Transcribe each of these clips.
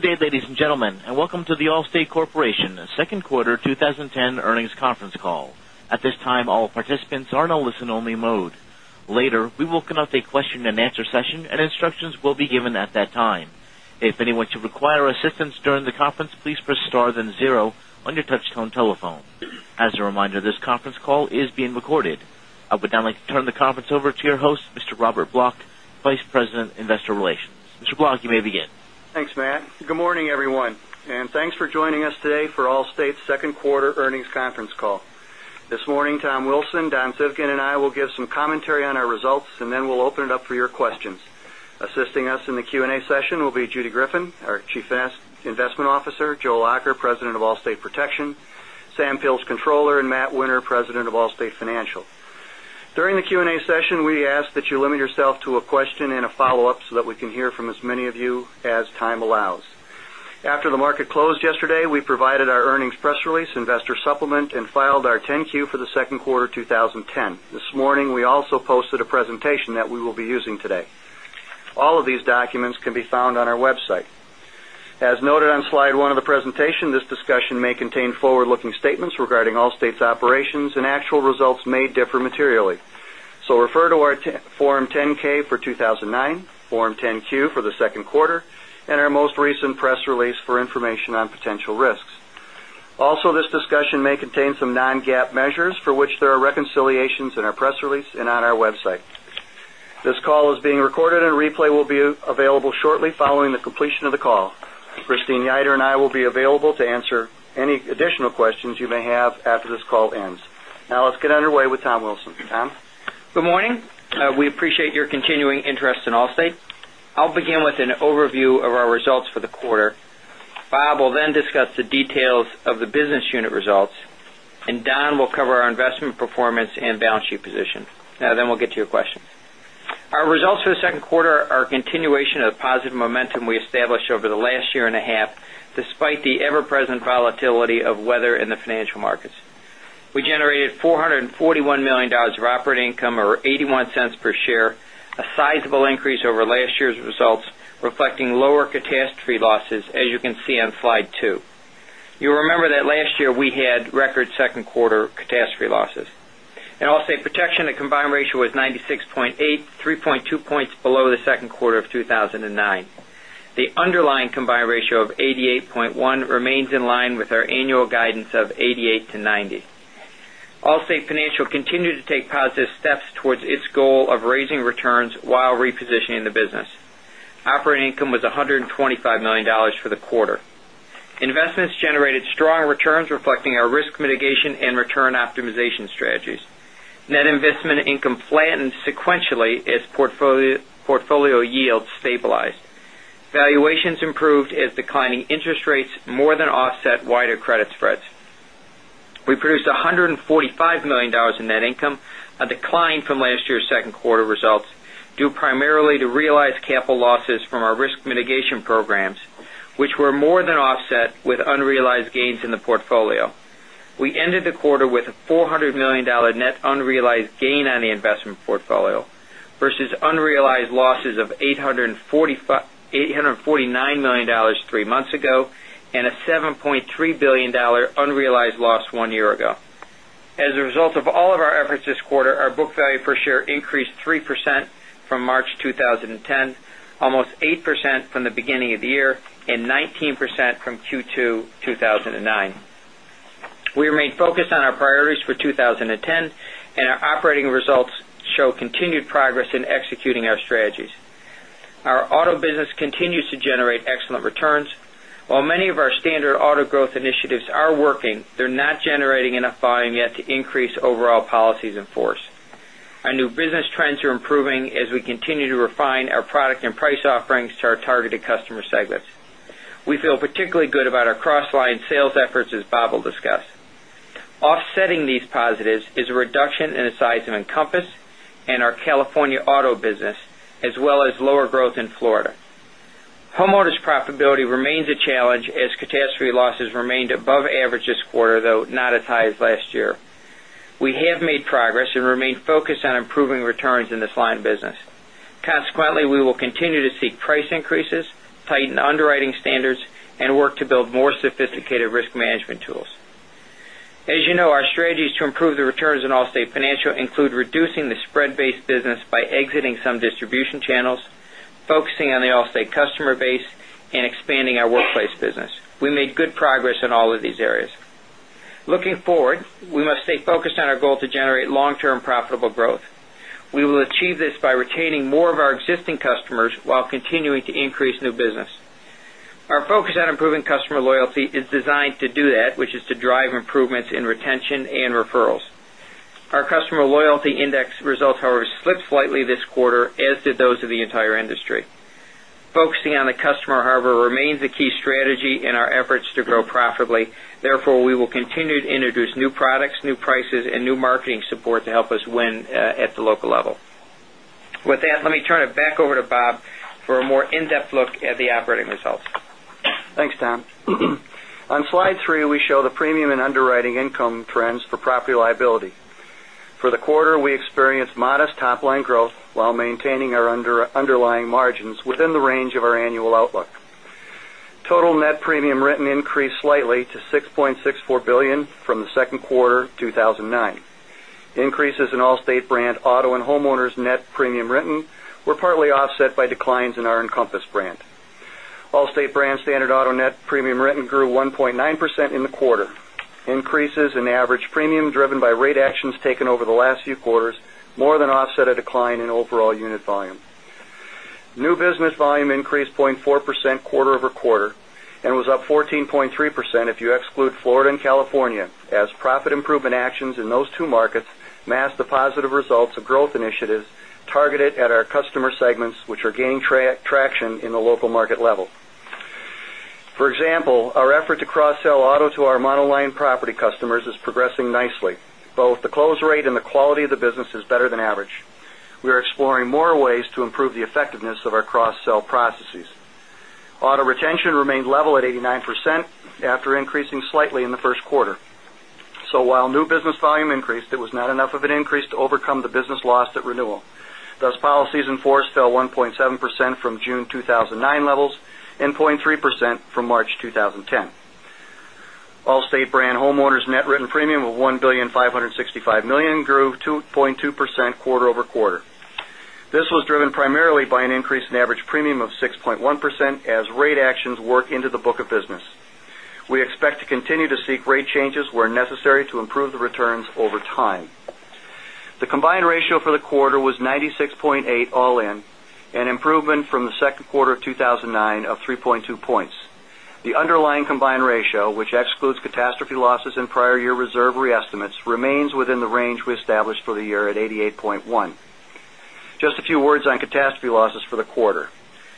Good day, ladies and gentlemen, welcome to The Allstate Corporation Second Quarter 2010 Earnings Conference Call. At this time, all participants are in a listen-only mode. Later, we will open up a question-and-answer session, and instructions will be given at that time. If anyone should require assistance during the conference, please press star then zero on your touch-tone telephone. As a reminder, this conference call is being recorded. I would now like to turn the conference over to your host, Mr. Robert Block, Vice President, Investor Relations. Mr. Block, you may begin. Thanks, Matt. Good morning, everyone, and thanks for joining us today for Allstate's second quarter earnings conference call. This morning, Tom Wilson, Don Civgin, and I will give some commentary on our results, and then we'll open it up for your questions. Assisting us in the Q&A session will be Judy Greffin, our Chief Investment Officer, Joe Lacher, President of Allstate Protection, Sam Fields, Controller, and Matt Winter, President of Allstate Financial. During the Q&A session, we ask that you limit yourself to a question and a follow-up so that we can hear from as many of you as time allows. After the market closed yesterday, we provided our earnings press release investor supplement and filed our 10-Q for the second quarter of 2010. This morning, we also posted a presentation that we will be using today. All of these documents can be found on our website. As noted on slide one of the presentation, this discussion may contain forward-looking statements regarding Allstate's operations, and actual results may differ materially. Refer to our Form 10-K for 2009, Form 10-Q for the second quarter, and our most recent press release for information on potential risks. Also, this discussion may contain some non-GAAP measures for which there are reconciliations in our press release and on our website. This call is being recorded, and a replay will be available shortly following the completion of the call. Christine Nieder and I will be available to answer any additional questions you may have after this call ends. Now let's get underway with Tom Wilson. Tom? Good morning. We appreciate your continuing interest in Allstate. I'll begin with an overview of our results for the quarter. Bob will then discuss the details of the business unit results, and Don will cover our investment performance and balance sheet position. We'll get to your questions. Our results for the second quarter are a continuation of the positive momentum we established over the last year and a half, despite the ever-present volatility of weather in the financial markets. We generated $441 million of operating income, or $0.81 per share, a sizable increase over last year's results, reflecting lower catastrophe losses, as you can see on slide two. You'll remember that last year we had record second quarter catastrophe losses. In Allstate Protection, the combined ratio was 96.8, 3.2 points below the second quarter of 2009. The underlying combined ratio of 88.1 remains in line with our annual guidance of 88-90. Allstate Financial continued to take positive steps towards its goal of raising returns while repositioning the business. Operating income was $125 million for the quarter. Investments generated strong returns reflecting our risk mitigation and return optimization strategies. Net investment income flattened sequentially as portfolio yield stabilized. Valuations improved as declining interest rates more than offset wider credit spreads. We produced $145 million in net income, a decline from last year's second quarter results, due primarily to realized capital losses from our risk mitigation programs, which were more than offset with unrealized gains in the portfolio. We ended the quarter with a $400 million net unrealized gain on the investment portfolio versus unrealized losses of $849 million three months ago, and a $7.3 billion unrealized loss one year ago. As a result of all of our efforts this quarter, our book value per share increased 3% from March 2010, almost 8% from the beginning of the year, and 19% from Q2 2009. We remain focused on our priorities for 2010. Our operating results show continued progress in executing our strategies. Our auto business continues to generate excellent returns. While many of our standard auto growth initiatives are working, they're not generating enough volume yet to increase overall policies in force. Our new business trends are improving as we continue to refine our product and price offerings to our targeted customer segments. We feel particularly good about our cross-line sales efforts, as Bob will discuss. Offsetting these positives is a reduction in the size of Encompass and our California auto business, as well as lower growth in Florida. Homeowners' profitability remains a challenge as catastrophe losses remained above average this quarter, though not as high as last year. We have made progress and remain focused on improving returns in this line of business. Consequently, we will continue to seek price increases, tighten underwriting standards, and work to build more sophisticated risk management tools. As you know, our strategies to improve the returns in Allstate Financial include reducing the spread-based business by exiting some distribution channels, focusing on the Allstate customer base, and expanding our workplace business. We made good progress in all of these areas. Looking forward, we must stay focused on our goal to generate long-term profitable growth. We will achieve this by retaining more of our existing customers while continuing to increase new business. Our focus on improving customer loyalty is designed to do that, which is to drive improvements in retention and referrals. Our customer loyalty index results, however, slipped slightly this quarter, as did those of the entire industry. Focusing on the customer, however, remains a key strategy in our efforts to grow profitably. We will continue to introduce new products, new prices, and new marketing support to help us win at the local level. With that, let me turn it back over to Bob for a more in-depth look at the operating results. Thanks, Tom. On slide three, we show the premium and underwriting income trends for property liability. For the quarter, we experienced modest top-line growth while maintaining our underlying margins within the range of our annual outlook. Total net premium written increased slightly to $6.64 billion from the second quarter 2009. Increases in Allstate brand auto and homeowners net premium written were partly offset by declines in our Encompass brand. Allstate brand standard auto net premium written grew 1.9% in the quarter. Increases in average premium driven by rate actions taken over the last few quarters more than offset a decline in overall unit volume. New business volume increased 0.4% quarter-over-quarter. It was up 14.3% if you exclude Florida and California, as profit improvement actions in those two markets masked the positive results of growth initiatives targeted at our customer segments, which are gaining traction in the local market level. For example, our effort to cross-sell auto to our monoline property customers is progressing nicely. Both the close rate and the quality of the business is better than average. We are exploring more ways to improve the effectiveness of our cross-sell processes. Auto retention remained level at 89% after increasing slightly in the first quarter. While new business volume increased, it was not enough of an increase to overcome the business lost at renewal. Thus, policies in force fell 1.7% from June 2009 levels and 0.3% from March 2010. Allstate brand homeowners net written premium of $1.565 billion grew 2.2% quarter-over-quarter. This was driven primarily by an increase in average premium of 6.1% as rate actions work into the book of business. We expect to continue to seek rate changes where necessary to improve the returns over time. The combined ratio for the quarter was 96.8 all in, an improvement from the second quarter of 2009 of 3.2 points. The underlying combined ratio, which excludes catastrophe losses and prior year reserve re-estimates, remains within the range we established for the year at 88.1%. Just a few words on catastrophe losses for the quarter.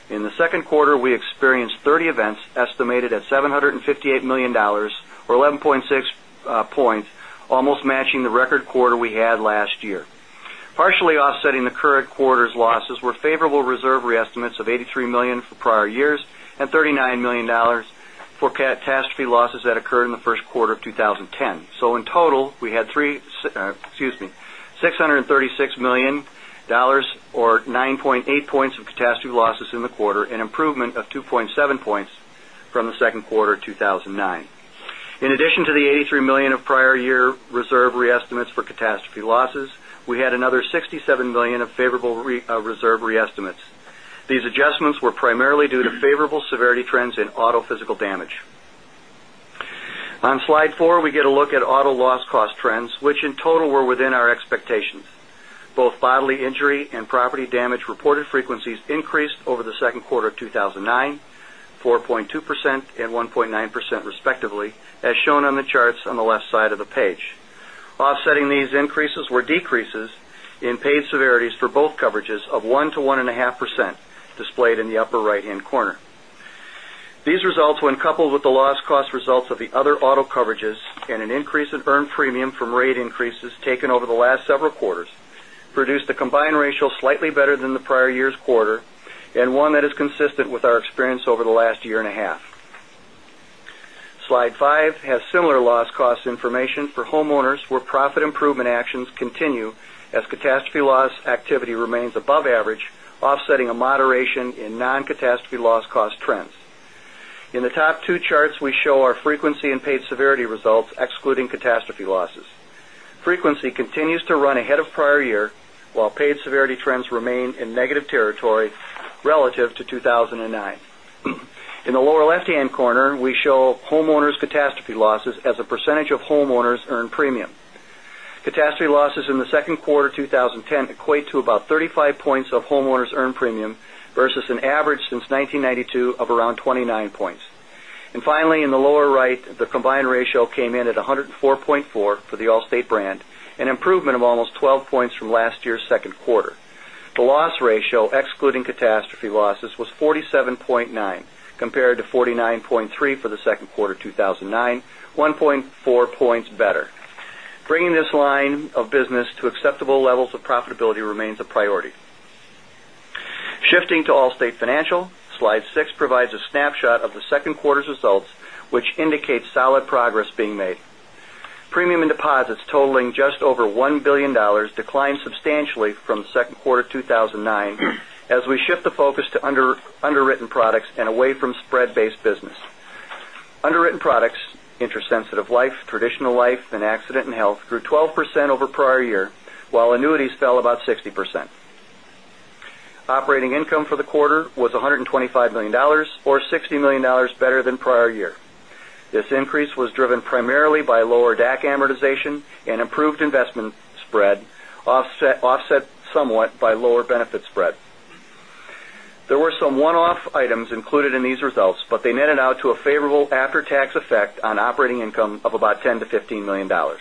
In the second quarter, we experienced 30 events estimated at $758 million, or 11.6 points, almost matching the record quarter we had last year. Partially offsetting the current quarter's losses were favorable reserve re-estimates of $83 million for prior years and $39 million for catastrophe losses that occurred in the first quarter of 2010. In total, we had Excuse me, $636 million, or 9.8 points of catastrophe losses in the quarter, an improvement of 2.7 points from the second quarter 2009. In addition to the $83 million of prior year reserve re-estimates for catastrophe losses, we had another $67 million of favorable reserve re-estimates. These adjustments were primarily due to favorable severity trends in auto physical damage. On slide four, we get a look at auto loss cost trends, which in total were within our expectations. Both bodily injury and property damage reported frequencies increased over the second quarter of 2009, 4.2% and 1.9% respectively, as shown on the charts on the left side of the page. Offsetting these increases were decreases in paid severities for both coverages of 1%-1.5% displayed in the upper right-hand corner. These results, when coupled with the loss cost results of the other auto coverages and an increase in earned premium from rate increases taken over the last several quarters, produced a combined ratio slightly better than the prior year's quarter, and one that is consistent with our experience over the last year and a half. Slide five has similar loss cost information for homeowners, where profit improvement actions continue as catastrophe loss activity remains above average, offsetting a moderation in non-catastrophe loss cost trends. In the top two charts, we show our frequency and paid severity results excluding catastrophe losses. Frequency continues to run ahead of prior year, while paid severity trends remain in negative territory relative to 2009. In the lower left-hand corner, we show homeowners catastrophe losses as a percentage of homeowners' earned premium. Catastrophe losses in the second quarter 2010 equate to about 35 points of homeowners' earned premium versus an average since 1992 of around 29 points. Finally, in the lower right, the combined ratio came in at 104.4 for the Allstate brand, an improvement of almost 12 points from last year's second quarter. The loss ratio, excluding catastrophe losses, was 47.9, compared to 49.3 for the second quarter 2009, 1.4 points better. Bringing this line of business to acceptable levels of profitability remains a priority. Shifting to Allstate Financial, slide six provides a snapshot of the second quarter's results, which indicate solid progress being made. Premium and deposits totaling just over $1 billion declined substantially from the second quarter 2009 as we shift the focus to underwritten products and away from spread-based business. Underwritten products, interest-sensitive life, traditional life, and accident and health, grew 12% over prior year, while annuities fell about 60%. Operating income for the quarter was $125 million, or $60 million better than prior year. This increase was driven primarily by lower DAC amortization and improved investment spread, offset somewhat by lower benefit spread. There were some one-off items included in these results, but they netted out to a favorable after-tax effect on operating income of about $10 million-$15 million.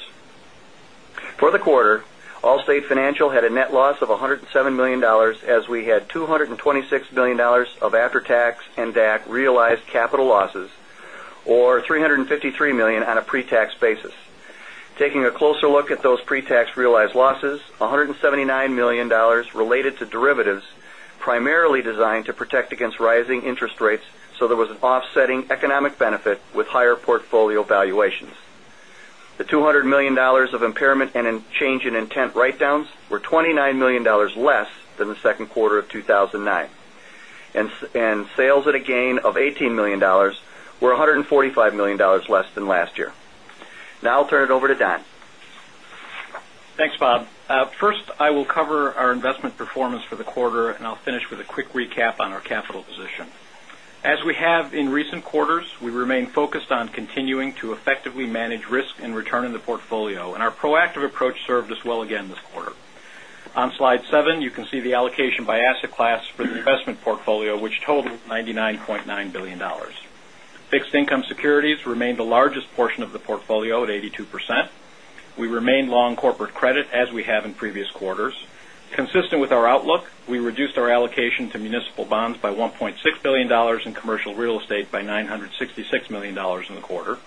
For the quarter, Allstate Financial had a net loss of $107 million as we had $226 million of after-tax and DAC realized capital losses, or $353 million on a pre-tax basis. Taking a closer look at those pre-tax realized losses, $179 million related to derivatives Primarily designed to protect against rising interest rates, there was an offsetting economic benefit with higher portfolio valuations. The $200 million of impairment and change in intent write-downs were $29 million less than the second quarter of 2009. Sales at a gain of $18 million were $145 million less than last year. Now I'll turn it over to Don. Thanks, Bob. First, I will cover our investment performance for the quarter, and I'll finish with a quick recap on our capital position. As we have in recent quarters, we remain focused on continuing to effectively manage risk and return in the portfolio, and our proactive approach served us well again this quarter. On slide seven, you can see the allocation by asset class for the investment portfolio, which totals $99.9 billion. Fixed income securities remained the largest portion of the portfolio at 82%. We remained long corporate credit, as we have in previous quarters. Consistent with our outlook, we reduced our allocation to municipal bonds by $1.6 billion and commercial real estate by $966 million in the quarter.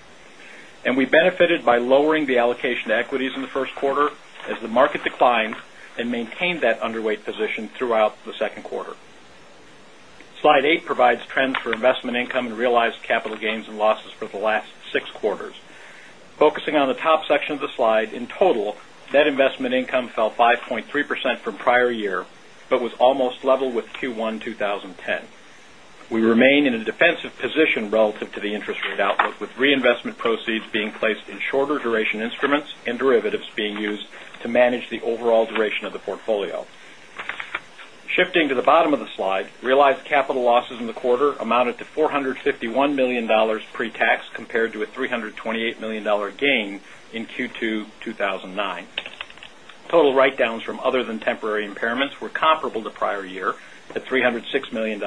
We benefited by lowering the allocation to equities in the first quarter as the market declined and maintained that underweight position throughout the second quarter. Slide eight provides trends for investment income and realized capital gains and losses for the last six quarters. Focusing on the top section of the slide, in total, net investment income fell 5.3% from prior year, but was almost level with Q1 2010. We remain in a defensive position relative to the interest rate outlook, with reinvestment proceeds being placed in shorter duration instruments and derivatives being used to manage the overall duration of the portfolio. Shifting to the bottom of the slide, realized capital losses in the quarter amounted to $451 million pre-tax, compared to a $328 million gain in Q2 2009. Total write-downs from other than temporary impairments were comparable to prior year at $306 million,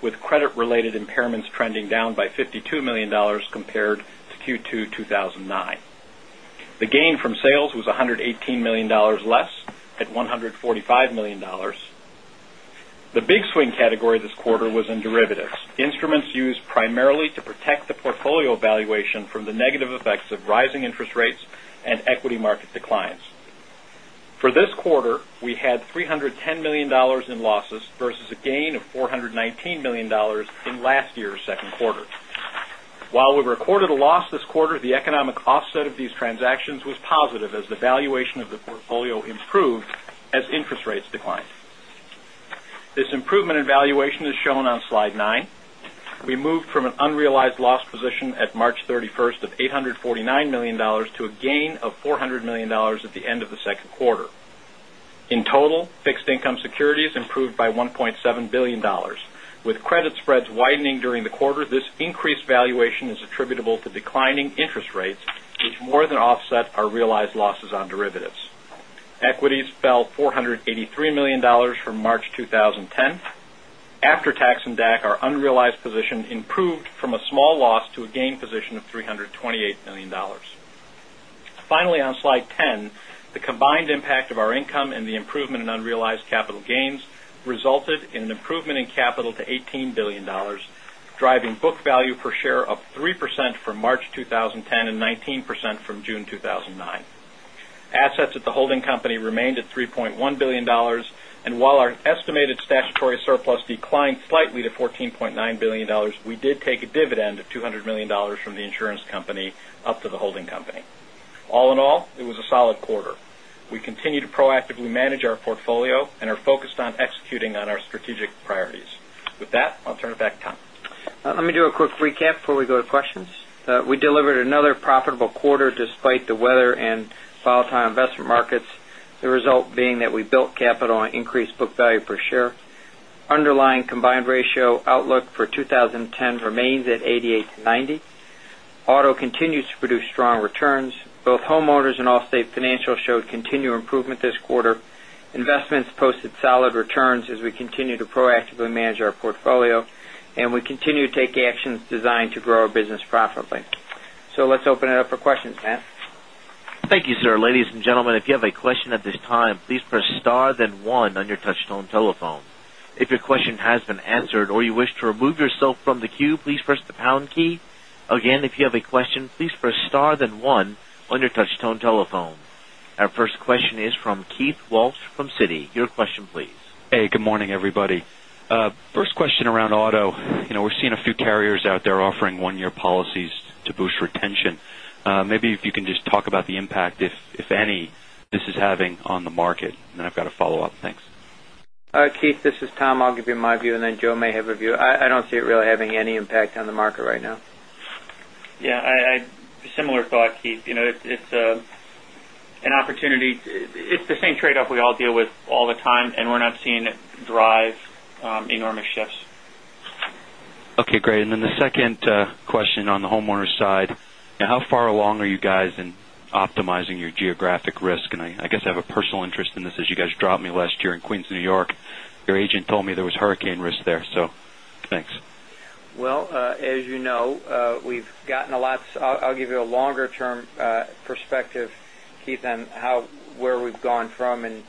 with credit-related impairments trending down by $52 million compared to Q2 2009. The gain from sales was $118 million less at $145 million. The big swing category this quarter was in derivatives. Instruments used primarily to protect the portfolio valuation from the negative effects of rising interest rates and equity market declines. For this quarter, we had $310 million in losses versus a gain of $419 million in last year's second quarter. While we recorded a loss this quarter, the economic offset of these transactions was positive as the valuation of the portfolio improved as interest rates declined. This improvement in valuation is shown on slide nine. We moved from an unrealized loss position at March 31st of $849 million to a gain of $400 million at the end of the second quarter. In total, fixed income securities improved by $1.7 billion. With credit spreads widening during the quarter, this increased valuation is attributable to declining interest rates, which more than offset our realized losses on derivatives. Equities fell $483 million from March 2010. After tax and DAC, our unrealized position improved from a small loss to a gain position of $328 million. Finally, on slide 10, the combined impact of our income and the improvement in unrealized capital gains resulted in an improvement in capital to $18 billion, driving book value per share up 3% from March 2010 and 19% from June 2009. Assets at the holding company remained at $3.1 billion, and while our estimated statutory surplus declined slightly to $14.9 billion, we did take a dividend of $200 million from the insurance company up to the holding company. All in all, it was a solid quarter. We continue to proactively manage our portfolio and are focused on executing on our strategic priorities. With that, I'll turn it back to Tom. Let me do a quick recap before we go to questions. We delivered another profitable quarter despite the weather and volatile investment markets, the result being that we built capital and increased book value per share. Underlying combined ratio outlook for 2010 remains at 88%-90%. Auto continues to produce strong returns. Both homeowners and Allstate Financial showed continued improvement this quarter. Investments posted solid returns as we continue to proactively manage our portfolio, and we continue to take actions designed to grow our business profitably. Let's open it up for questions, Matt. Thank you, sir. Ladies and gentlemen, if you have a question at this time, please press star then one on your touchtone telephone. If your question has been answered or you wish to remove yourself from the queue, please press the pound key. Again, if you have a question, please press star then one on your touchtone telephone. Our first question is from Keith Walsh from Citi. Your question, please. Hey, good morning, everybody. First question around auto. We're seeing a few carriers out there offering one-year policies to boost retention. Maybe if you can just talk about the impact, if any, this is having on the market. I've got a follow-up. Thanks. All right, Keith, this is Tom. I'll give you my view, and then Joe may have a view. I don't see it really having any impact on the market right now. Yeah. Similar thought, Keith. It's an opportunity. It's the same trade-off we all deal with all the time, we're not seeing it drive enormous shifts. Okay, great. The second question on the homeowner side, how far along are you guys in optimizing your geographic risk? I guess I have a personal interest in this as you guys dropped me last year in Queens, N.Y. Your agent told me there was hurricane risk there, thanks. Well, as you know, I'll give you a longer-term perspective, Keith, on where we've gone from.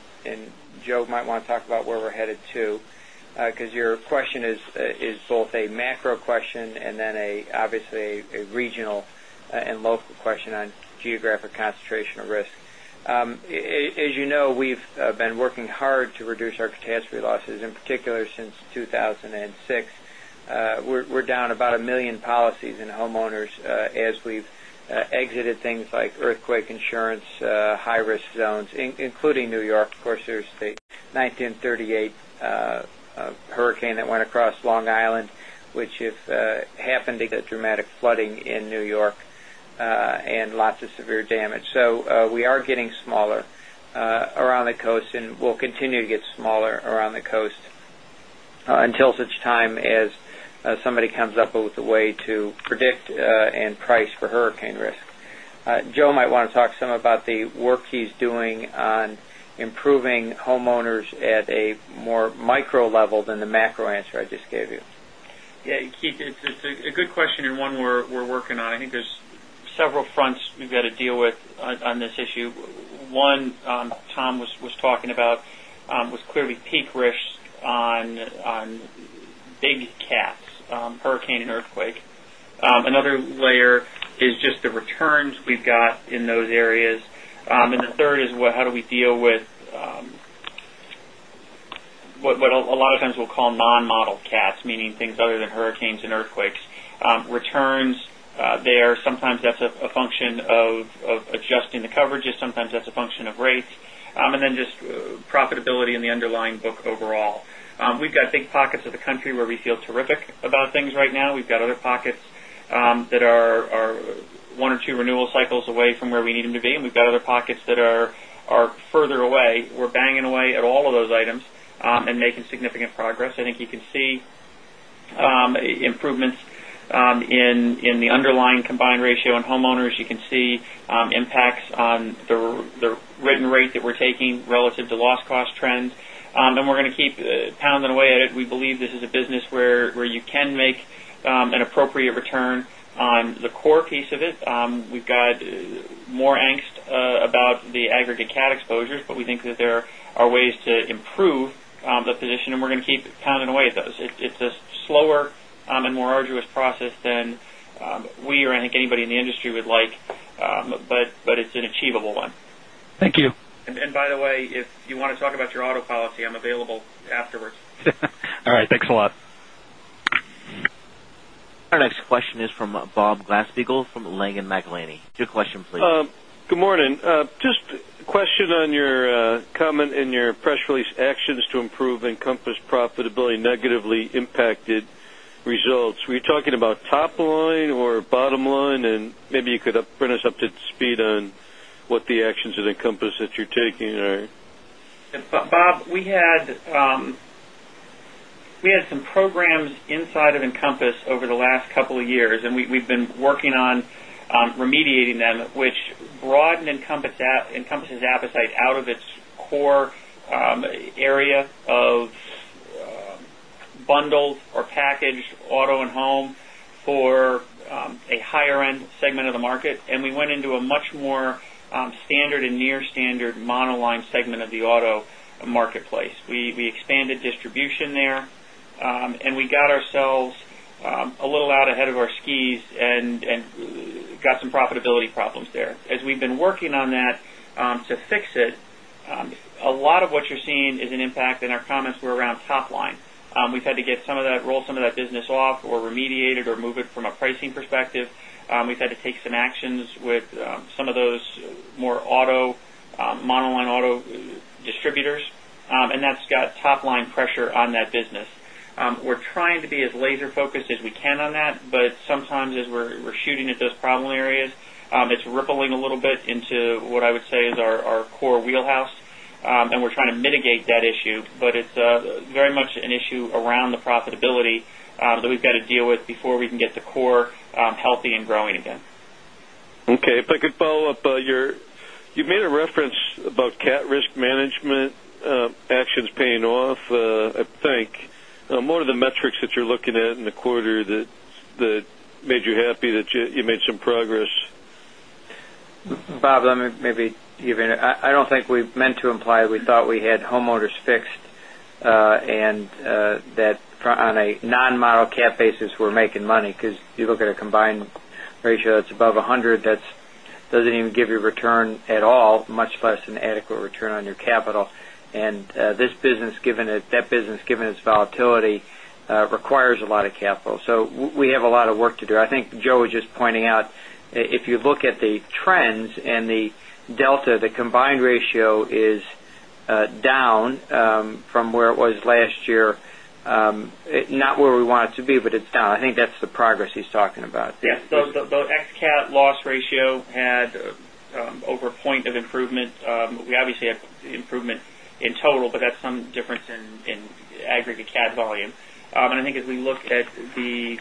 Joe might want to talk about where we're headed too because your question is both a macro question and then obviously a regional and local question on geographic concentration of risk. As you know, we've been working hard to reduce our catastrophe losses, in particular since 2006. We're down about a million policies in homeowners as we've exited things like earthquake insurance, high-risk zones, including N.Y. Of course, there's the 1938 hurricane that went across Long Island, which happened to get dramatic flooding in N.Y., and lots of severe damage. We are getting smaller around the coast, and we'll continue to get smaller around the coast until such time as somebody comes up with a way to predict and price for hurricane risk. Joe might want to talk some about the work he's doing on improving homeowners at a more micro level than the macro answer I just gave you. Yeah, Keith, it's a good question and one we're working on. I think there's several fronts we've got to deal with on this issue. One, Tom was talking about was clearly peak risk on big cats, hurricane and earthquake. Another layer is just the returns we've got in those areas. The third is how do we deal with what a lot of times we'll call non-model cats, meaning things other than hurricanes and earthquakes. Returns there, sometimes that's a function of adjusting the coverages, sometimes that's a function of rates, and then just profitability in the underlying book overall. We've got big pockets of the country where we feel terrific about things right now. We've got other pockets that are one or two renewal cycles away from where we need them to be, and we've got other pockets that are further away. We're banging away at all of those items, and making significant progress. I think you can see improvements in the underlying combined ratio in homeowners. You can see impacts on the written rate that we're taking relative to loss cost trends. We're going to keep pounding away at it. We believe this is a business where you can make an appropriate return on the core piece of it. We've got more angst about the aggregate cat exposures, but we think that there are ways to improve the position, and we're going to keep pounding away at those. It's a slower and more arduous process than we or I think anybody in the industry would like. It's an achievable one. Thank you. By the way, if you want to talk about your auto policy, I'm available afterwards. All right. Thanks a lot. Our next question is from Bob Glasspiegel from Langen McAlenney. Two questions, please. Good morning. Just a question on your comment in your press release, actions to improve Encompass profitability negatively impacted results. Were you talking about top line or bottom line? Maybe you could bring us up to speed on what the actions of Encompass that you're taking are. Bob, we had some programs inside of Encompass over the last couple of years. We've been working on remediating them, which broadened Encompass' appetite out of its core area of bundled or packaged auto and home for a higher-end segment of the market. We went into a much more standard and near standard monoline segment of the auto marketplace. We expanded distribution there. We got ourselves a little out ahead of our skis and got some profitability problems there. As we've been working on that to fix it, a lot of what you're seeing is an impact in our comments were around top line. We've had to get some of that roll, some of that business off or remediated or move it from a pricing perspective. We've had to take some actions with some of those more monoline auto distributors, that's got top-line pressure on that business. We're trying to be as laser-focused as we can on that, sometimes as we're shooting at those problem areas, it's rippling a little bit into what I would say is our core wheelhouse. We're trying to mitigate that issue, but it's very much an issue around the profitability, that we've got to deal with before we can get the core healthy and growing again. Okay. If I could follow up, you made a reference about cat risk management actions paying off, I think. What are the metrics that you're looking at in the quarter that made you happy that you made some progress? Bob, let me I don't think we meant to imply we thought we had homeowners fixed, that on a non-model cat basis, we're making money because you look at a combined ratio that's above 100, that doesn't even give you return at all, much less an adequate return on your capital. That business, given its volatility, requires a lot of capital. We have a lot of work to do. I think Joe was just pointing out if you look at the trends and the delta, the combined ratio is down from where it was last year. Not where we want it to be, but it's down. I think that's the progress he's talking about. Yes. The ex cat loss ratio had over a point of improvement. We obviously have improvement in total, but that's some difference in aggregate cat volume. I think as we look at the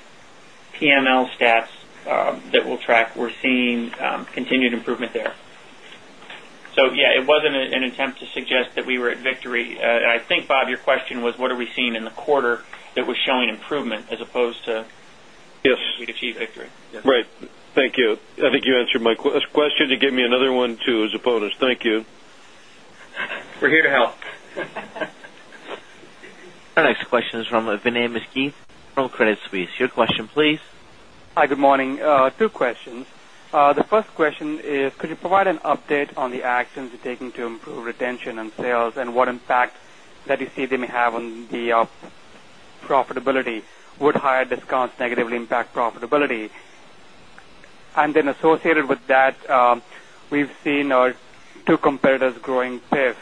PML stats that we'll track, we're seeing continued improvement there. Yeah, it wasn't an attempt to suggest that we were at victory. I think, Bob, your question was what are we seeing in the quarter that was showing improvement as opposed to. Yes. We achieve victory. Right. Thank you. I think you answered my question to give me another one, too, as opposed. Thank you. We're here to help. Our next question is from Vinay Misquith from Credit Suisse. Your question, please. Hi, good morning. Two questions. The first question is, could you provide an update on the actions you're taking to improve retention and sales, and what impact that you see they may have on the profitability? Would higher discounts negatively impact profitability? Associated with that, we've seen our two competitors growing PIF,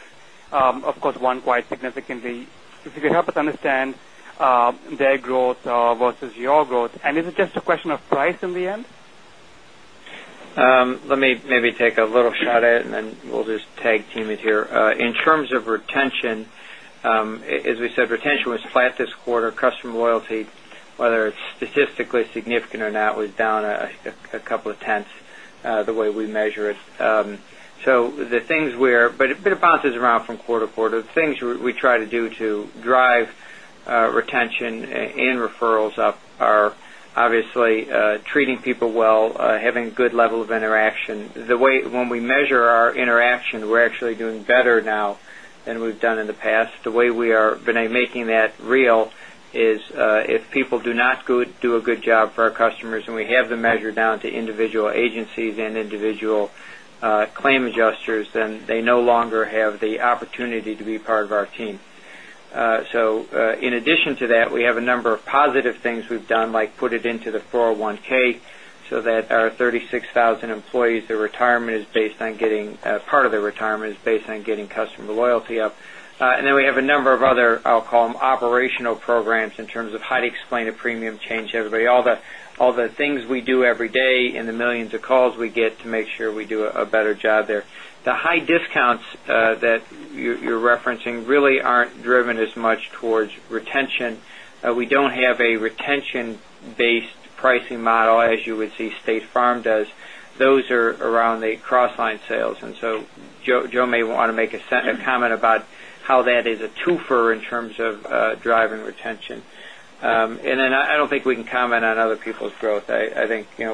of course, one quite significantly. If you could help us understand their growth versus your growth. Is it just a question of price in the end? Let me maybe take a little shot at it, then we'll just tag team it here. In terms of retention, as we said, retention was flat this quarter. Customer loyalty, whether it's statistically significant or not, was down a couple of tenths the way we measure it. It bounces around from quarter to quarter. The things we try to do to drive retention and referrals up are obviously treating people well, having a good level of interaction. When we measure our interaction, we're actually doing better now than we've done in the past. The way we are making that real is if people do not do a good job for our customers, and we have them measured down to individual agencies and individual claim adjusters, then they no longer have the opportunity to be part of our team. In addition to that, we have a number of positive things we've done, like put it into the 401(k) so that our 36,000 employees, part of their retirement is based on getting customer loyalty up. We have a number of other, I'll call them operational programs in terms of how to explain a premium change to everybody, all the things we do every day in the millions of calls we get to make sure we do a better job there. The high discounts that you're referencing really aren't driven as much towards retention. We don't have a retention-based pricing model as you would see State Farm does. Those are around the cross-line sales, Joe may want to make a comment about how that is a twofer in terms of driving retention. I don't think we can comment on other people's growth. I think you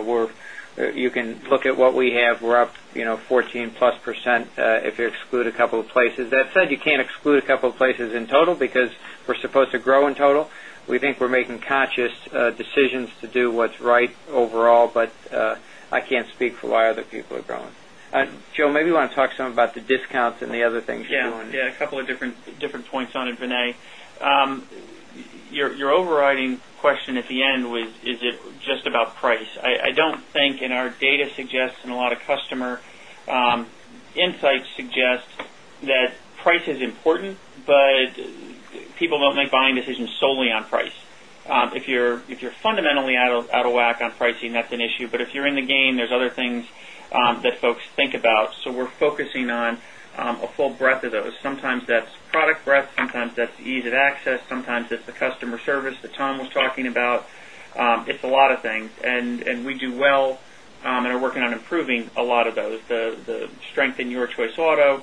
can look at what we have. We're up 14+% if you exclude a couple of places. That said, you can't exclude a couple of places in total because we're supposed to grow in total. We think we're making conscious decisions to do what's right overall, I can't speak for why other people are growing. Joe, maybe you want to talk some about the discounts and the other things you're doing. A couple of different points on it, Vinay. Your overriding question at the end was, is it just about price? I don't think, and our data suggests, and a lot of customer insights suggest that price is important, but people don't make buying decisions solely on price. If you're fundamentally out of whack on pricing, that's an issue. If you're in the game, there's other things that folks think about. We're focusing on a full breadth of those. Sometimes that's product breadth, sometimes that's ease of access, sometimes it's the customer service that Tom was talking about. It's a lot of things, and we do well and are working on improving a lot of those. The strength in Your Choice Auto,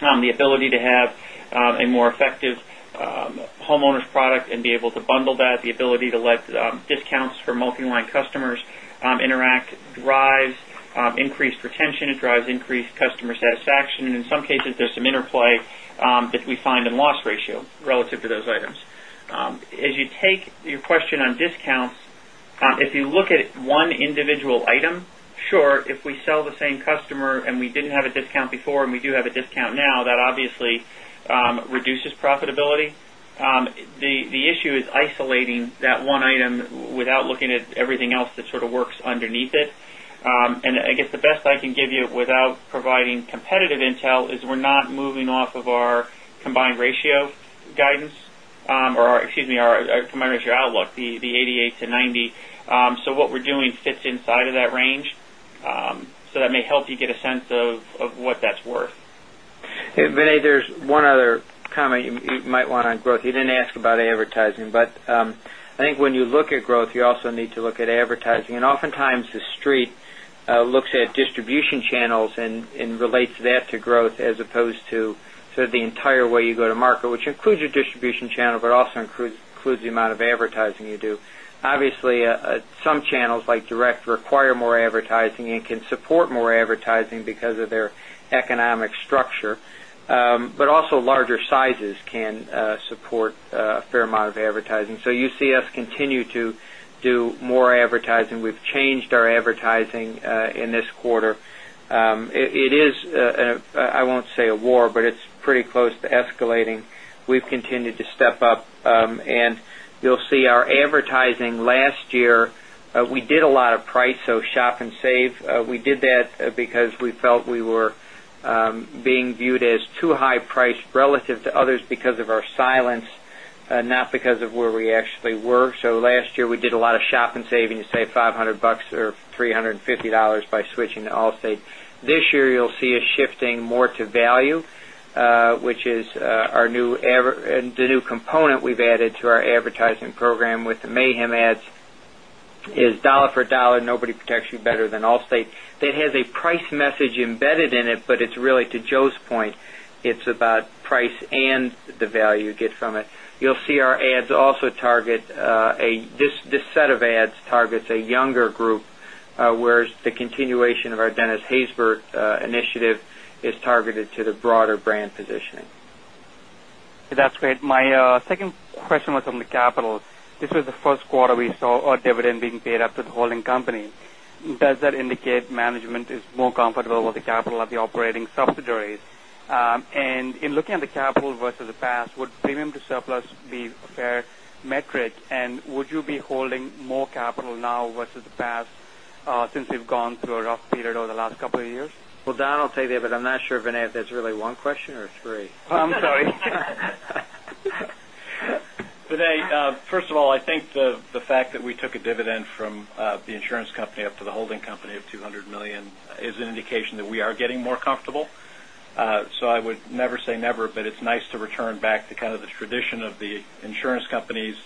the ability to have a more effective homeowners product and be able to bundle that, the ability to let discounts for multi-line customers interact, drives increased retention. It drives increased customer satisfaction. In some cases, there's some interplay that we find in loss ratio relative to those items. As you take your question on discounts, if you look at one individual item, sure, if we sell the same customer and we didn't have a discount before, and we do have a discount now, that obviously reduces profitability. The issue is isolating that one item without looking at everything else that sort of works underneath it. I guess the best I can give you without providing competitive intel is we're not moving off of our combined ratio guidance or our combined ratio outlook, the 88%-90%. What we're doing fits inside of that range. That may help you get a sense of what that's worth. Hey, Vinay, there's one other comment you might want on growth. You didn't ask about advertising, but I think when you look at growth, you also need to look at advertising. Oftentimes the street looks at distribution channels and relates that to growth as opposed to sort of the entire way you go to market, which includes your distribution channel, but also includes the amount of advertising you do. Obviously, some channels, like direct, require more advertising and can support more advertising because of their economic structure. Also larger sizes can support a fair amount of advertising. You see us continue to do more advertising. We've changed our advertising in this quarter. It is, I won't say a war, but it's pretty close to escalating. We've continued to step up, and you'll see our advertising last year we did a lot of price, so shop and save. We did that because we felt we were being viewed as too high priced relative to others because of our silence, not because of where we actually were. Last year, we did a lot of shop and save. You save $500 or $350 by switching to Allstate. This year, you'll see us shifting more to value which is the new component we've added to our advertising program with the Mayhem ads is dollar for dollar, nobody protects you better than Allstate. That has a price message embedded in it, but it's really to Joe's point, it's about price and the value you get from it. This set of ads targets a younger group The continuation of our Dennis Haysbert initiative is targeted to the broader brand positioning. That's great. My second question was on the capital. This was the first quarter we saw our dividend being paid up to the holding company. Does that indicate management is more comfortable with the capital of the operating subsidiaries? In looking at the capital versus the past, would premium to surplus be a fair metric? Would you be holding more capital now versus the past, since we've gone through a rough period over the last couple of years? Don will tell you, but I'm not sure, Vinay, if that's really one question or three. Oh, I'm sorry. Vinay, first of all, I think the fact that we took a dividend from the insurance company up to the holding company of $200 million is an indication that we are getting more comfortable. I would never say never, but it's nice to return back to kind of the tradition of the insurance companies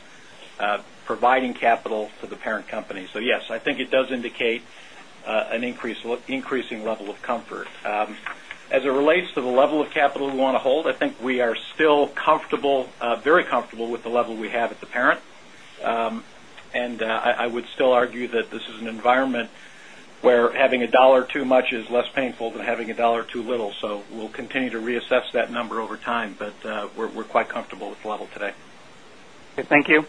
providing capital to the parent company. Yes, I think it does indicate an increasing level of comfort. As it relates to the level of capital we want to hold, I think we are still very comfortable with the level we have at the parent. I would still argue that this is an environment where having a dollar too much is less painful than having a dollar too little. We'll continue to reassess that number over time. We're quite comfortable with the level today. Okay, thank you.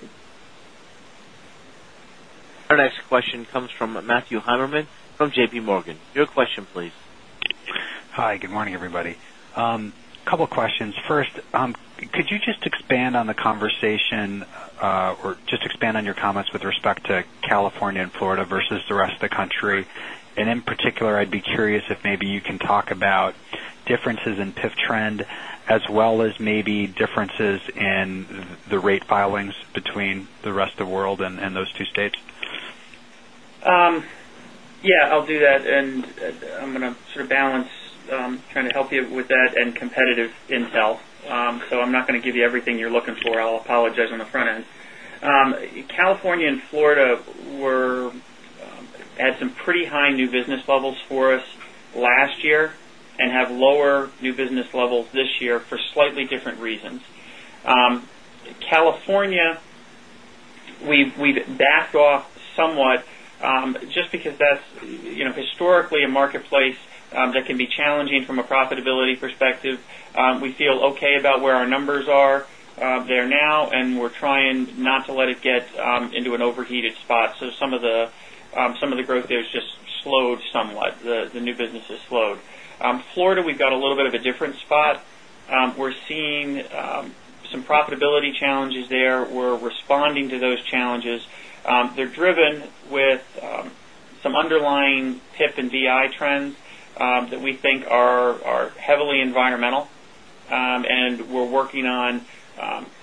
Our next question comes from Matthew Heimermann from JPMorgan. Your question please. Hi, good morning, everybody. Couple questions. First, could you just expand on the conversation or just expand on your comments with respect to California and Florida versus the rest of the country? In particular, I'd be curious if maybe you can talk about differences in PIF trend as well as maybe differences in the rate filings between the rest of the world and those two states. Yeah, I'll do that. I'm going to sort of balance trying to help you with that and competitive intel. I'm not going to give you everything you're looking for. I'll apologize on the front end. California and Florida had some pretty high new business levels for us last year and have lower new business levels this year for slightly different reasons. California, we've backed off somewhat, just because that's historically a marketplace that can be challenging from a profitability perspective. We feel okay about where our numbers are there now, and we're trying not to let it get into an overheated spot. Some of the growth there has just slowed somewhat. The new business has slowed. Florida, we've got a little bit of a different spot. We're seeing some profitability challenges there. We're responding to those challenges. They're driven with some underlying PIP and BI trends that we think are heavily environmental. We're working on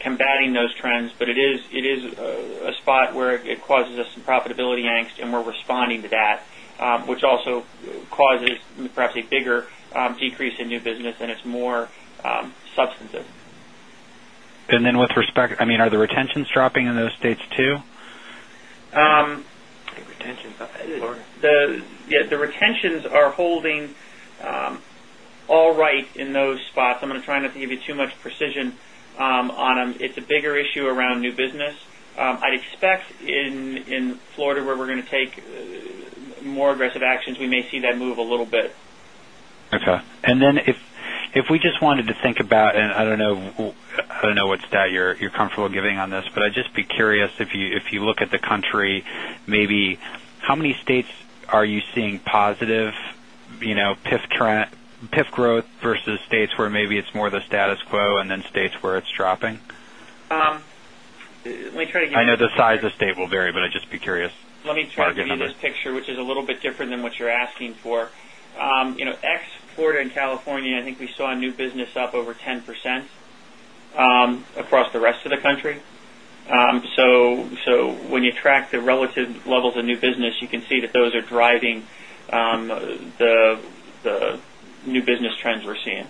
combating those trends. It is a spot where it causes us some profitability angst, and we're responding to that. Which also causes perhaps a bigger decrease in new business than its more substantive. With respect, are the retentions dropping in those states, too? I think retention is up in Florida. The retentions are holding all right in those spots. I'm going to try not to give you too much precision on them. It's a bigger issue around new business. I'd expect in Florida, where we're going to take more aggressive actions, we may see that move a little bit. Okay. If we just wanted to think about, I don't know what stat you're comfortable giving on this, I'd just be curious if you look at the country, maybe how many states are you seeing positive PIF growth versus states where maybe it's more the status quo and then states where it's dropping? Let me try to give- I know the size of state will vary, I'd just be curious. Let me try to give you this picture, which is a little bit different than what you're asking for. Ex Florida and California, I think we saw a new business up over 10% across the rest of the country. When you track the relative levels of new business, you can see that those are driving the new business trends we're seeing.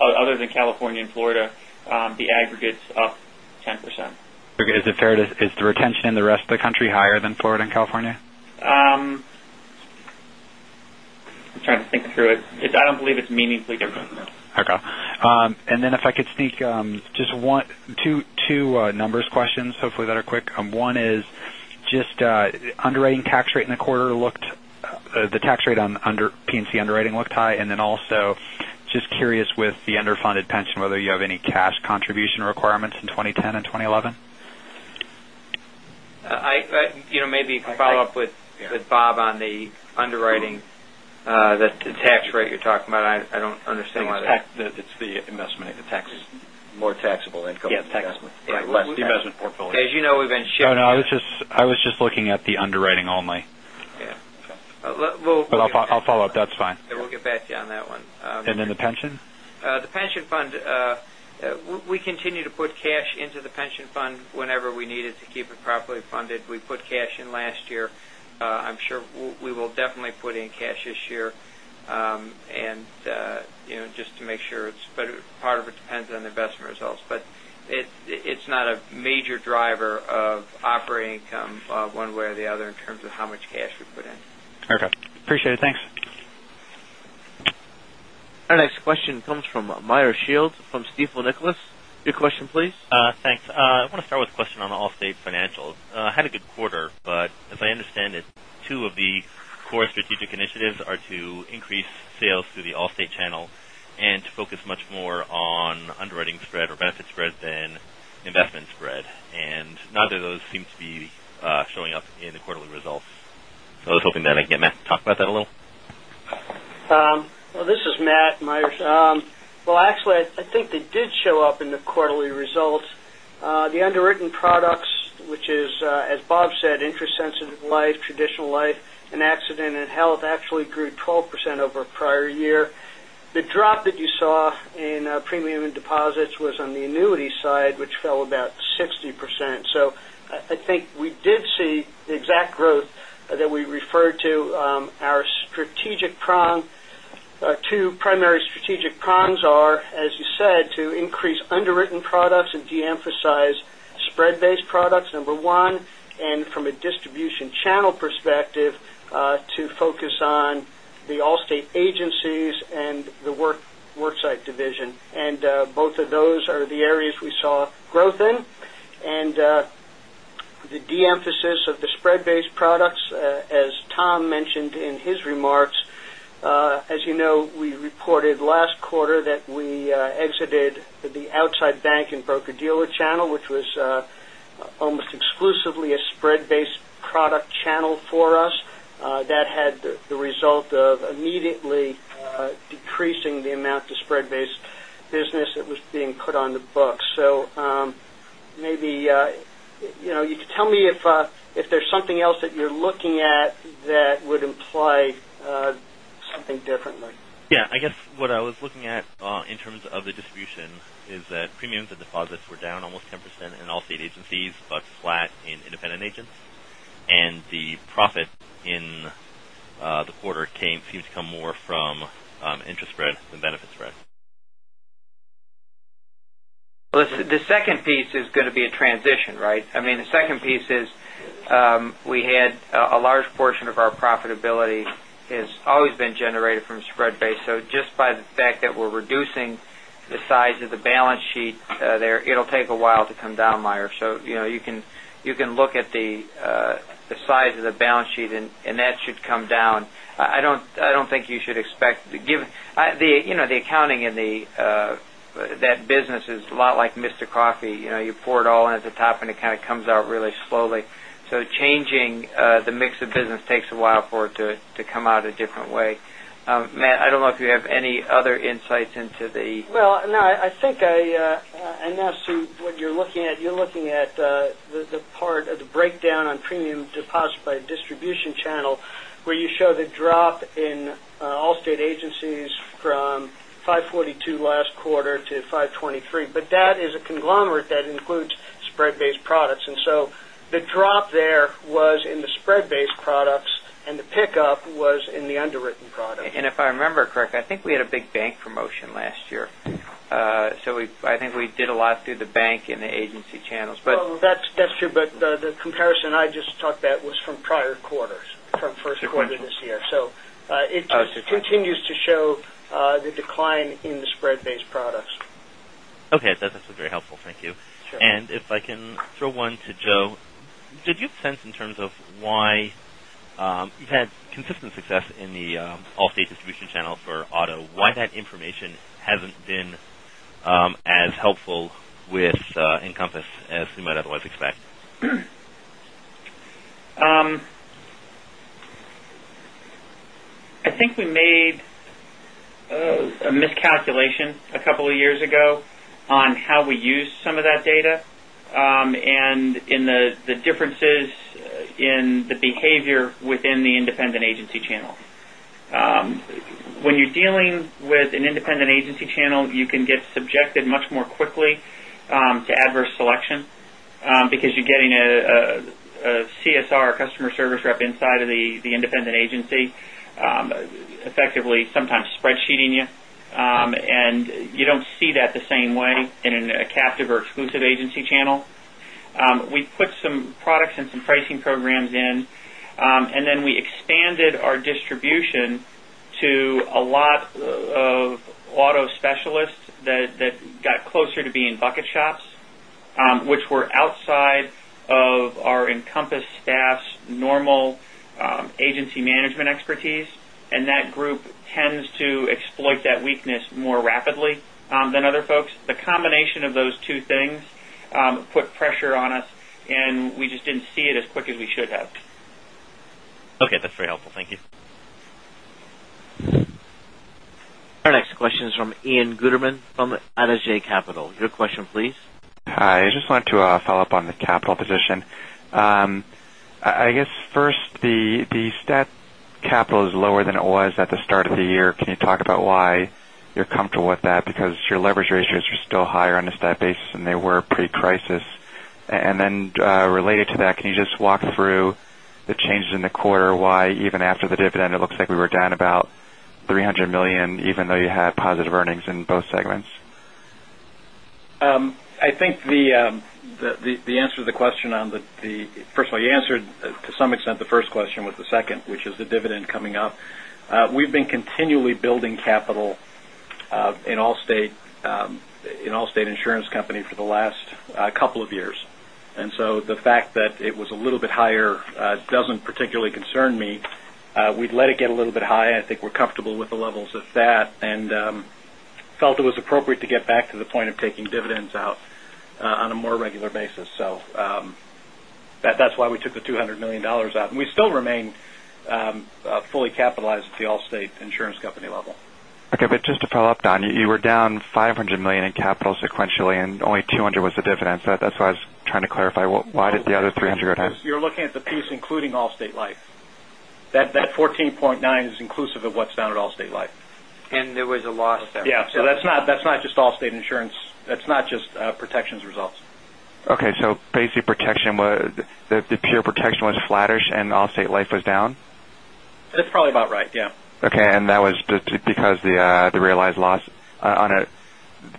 Other than California and Florida, the aggregate's up 10%. Okay. Is it fair to say, is the retention in the rest of the country higher than Florida and California? I'm trying to think through it. I don't believe it's meaningfully different, no. Okay. If I could sneak just two numbers questions, hopefully that are quick. One is just underwriting tax rate in the quarter, the tax rate on P&C underwriting looked high. Also just curious with the underfunded pension, whether you have any cash contribution requirements in 2010 and 2011. Maybe follow up with Bob on the underwriting. The tax rate you're talking about, I don't understand what. It's the investment, the tax is more taxable income. Yes, taxable. The investment portfolio. As you know, we've been shifting. No, I was just looking at the underwriting only. Yeah. I'll follow up. That's fine. Yeah, we'll get back to you on that one. Then the pension? The pension fund, we continue to put cash into the pension fund whenever we need it to keep it properly funded. We put cash in last year. I'm sure we will definitely put in cash this year. Just to make sure, but part of it depends on investment results, but it's not a major driver of operating income one way or the other in terms of how much cash we put in. Okay. Appreciate it. Thanks. Our next question comes from Meyer Shields from Stifel, Nicolaus & Company, Incorporated. Your question, please. Thanks. I want to start with a question on Allstate Financial. As I understand it, two of the core strategic initiatives are to increase sales through the Allstate channel and to focus much more on underwriting spread or benefit spread than investment spread. Neither of those seem to be showing up in the quarterly results. I was hoping that I'd get Matt to talk about that a little. Well, this is Matt, Meyer. Well, actually, I think they did show up in the quarterly results. The underwritten products, which is, as Bob said, interest-sensitive life, traditional life, and accident and health, actually grew 12% over prior year. The drop that you saw in premium and deposits was on the annuity side, which fell about 60%. I think we did see the exact growth that we referred to. Our two primary strategic prongs are, as you said, to increase underwritten products and de-emphasize spread-based products, number one, and from a distribution channel perspective, to focus on the Allstate agencies and the worksite division. Both of those are the areas we saw growth in. The de-emphasis of the spread-based products, as Tom mentioned in his remarks, as you know, we reported last quarter that we exited the outside bank and broker-dealer channel, which was almost exclusively a spread-based product channel for us. That had the result of immediately decreasing the amount of spread-based business that was being put on the books. Maybe you could tell me if there's something else that you're looking at that would imply something differently. Yeah, I guess what I was looking at in terms of the distribution is that premiums and deposits were down almost 10% in Allstate agencies, but flat in independent agents. The profit in the quarter seems to come more from interest spread than benefit spread. The second piece is going to be a transition, right? The second piece is we had a large portion of our profitability has always been generated from spread-based. Just by the fact that we're reducing the size of the balance sheet there, it'll take a while to come down, Meyer. You can look at the size of the balance sheet, and that should come down. The accounting in that business is a lot like Mr. Coffee. You pour it all in at the top, and it kind of comes out really slowly. Changing the mix of business takes a while for it to come out a different way. Matt, I don't know if you have any other insights into the- No, I think I know what you're looking at. You're looking at the part of the breakdown on premium deposit by distribution channel, where you show the drop in Allstate agencies from 542 last quarter to 523. That is a conglomerate that includes spread-based products. The drop there was in the spread-based products, and the pickup was in the underwritten products. If I remember correctly, I think we had a big bank promotion last year. I think we did a lot through the bank and the agency channels but- That's true. The comparison I just talked about was from prior quarters, from first quarter this year. Oh, okay. It just continues to show the decline in the spread-based products. Okay. That's very helpful. Thank you. Sure. If I can throw one to Joe, did you sense in terms of why you've had consistent success in the Allstate distribution channel for auto, why that information hasn't been as helpful with Encompass as we might otherwise expect? I think we made a miscalculation a couple of years ago on how we used some of that data, in the differences in the behavior within the independent agency channel. When you're dealing with an independent agency channel, you can get subjected much more quickly to adverse selection because you're getting a CSR, customer service rep, inside of the independent agency, effectively sometimes spreadsheeting you. You don't see that the same way in a captive or exclusive agency channel. We put some products and some pricing programs in, we expanded our distribution to a lot of auto specialists that got closer to being bucket shops, which were outside of our Encompass staff's normal agency management expertise. That group tends to exploit that weakness more rapidly than other folks. The combination of those two things put pressure on us, and we just didn't see it as quick as we should have. Okay. That's very helpful. Thank you. Our next question is from Ian Gutterman from Adage Capital. Your question, please. Hi. I just wanted to follow up on the capital position. I guess first, the stat capital is lower than it was at the start of the year. Can you talk about why you're comfortable with that? Because your leverage ratios are still higher on a stat basis than they were pre-crisis. Related to that, can you just walk through the changes in the quarter, why even after the dividend, it looks like we were down about $300 million, even though you had positive earnings in both segments? I think the answer to the question, first of all, you answered to some extent the first question with the second, which is the dividend coming up. We've been continually building capital in Allstate Insurance Company for the last couple of years. The fact that it was a little bit higher doesn't particularly concern me. We've let it get a little bit higher. I think we're comfortable with the levels of that and felt it was appropriate to get back to the point of taking dividends out on a more regular basis. That's why we took the $200 million out. We still remain fully capitalized at the Allstate Insurance Company level. Okay, just to follow up, Don, you were down $500 million in capital sequentially, and only $200 was the dividend. That's why I was trying to clarify why did the other $300. You're looking at the piece including Allstate Life. That 14.9 is inclusive of what's down at Allstate Life. There was a loss there. Yeah. That's not just Allstate Insurance. That's not just Protection's results. Okay. Basically, the pure Protection was flattish, and Allstate Life was down? That's probably about right, yeah. That was because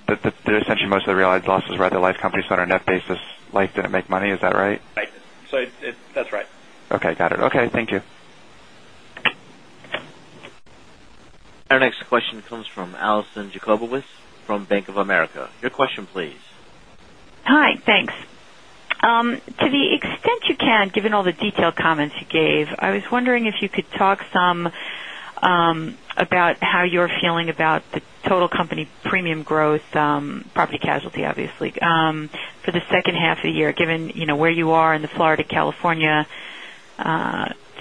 essentially most of the realized loss was rather life companies that are net basis life didn't make money. Is that right? That's right. Okay. Got it. Okay, thank you. Our next question comes from Alison Jacobowitz from Bank of America. Your question please. Hi, thanks. To the extent you can, given all the detailed comments you gave, I was wondering if you could talk some about how you're feeling about the total company premium growth, Property and Casualty, obviously, for the second half of the year, given where you are in the Florida, California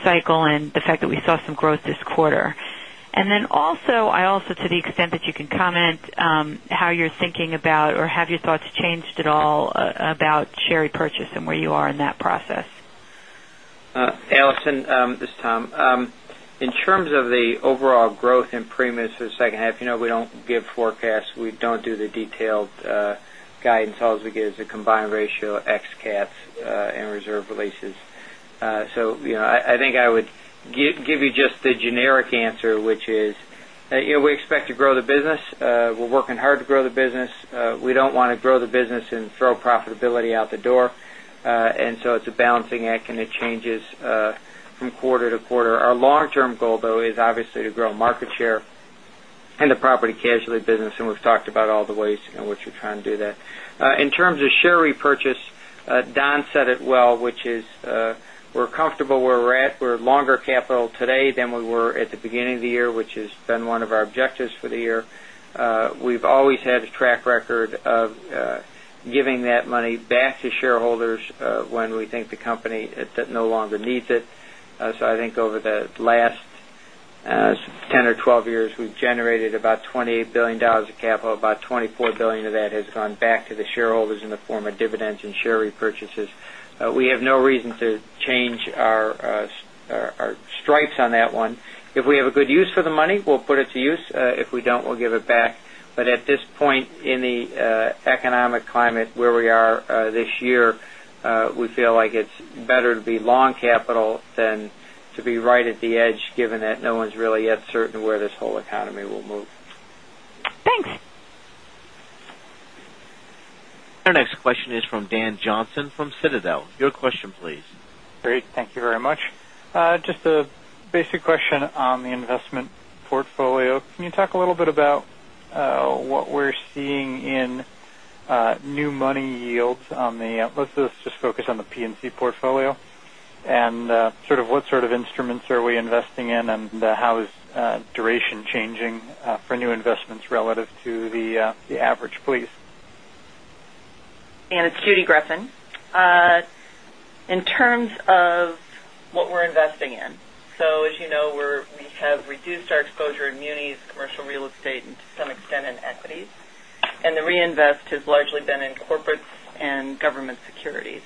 cycle and the fact that we saw some growth this quarter. Also, to the extent that you can comment, how you're thinking about, or have your thoughts changed at all about share repurchase and where you are in that process? Alison, this is Tom. In terms of the overall growth in premiums for the second half, we don't give forecasts. We don't do the detailed guidance. All we give is a combined ratio of ex cats and reserve releases. I think I would give you just the generic answer, which is we expect to grow the business. We're working hard to grow the business. We don't want to grow the business and throw profitability out the door. It's a balancing act, and it changes from quarter to quarter. Our long-term goal, though, is obviously to grow market share in the Property and Casualty business, and we've talked about all the ways in which we're trying to do that. In terms of share repurchase, Don said it well, which is we're comfortable where we're at. We're longer capital today than we were at the beginning of the year, which has been one of our objectives for the year. We've always had a track record of giving that money back to shareholders when we think the company no longer needs it. I think over the last 10 or 12 years, we've generated about $28 billion of capital. About $24 billion of that has gone back to the shareholders in the form of dividends and share repurchases. We have no reason to change our stripes on that one. If we have a good use for the money, we'll put it to use. If we don't, we'll give it back. At this point in the economic climate where we are this year, we feel like it's better to be long capital than to be right at the edge, given that no one's really yet certain where this whole economy will move. Thanks. Our next question is from Dan Johnson from Citadel. Your question, please. Great. Thank you very much. Just a basic question on the investment portfolio. Can you talk a little bit about what we're seeing in new money yields on the let's just focus on the P&C portfolio and what sort of instruments are we investing in and how is duration changing for new investments relative to the average, please? Dan, it's Judy Greffin. In terms of what we're investing in. As you know, we have reduced our exposure in munis, commercial real estate and to some extent in equities. The reinvest has largely been in corporates and government securities.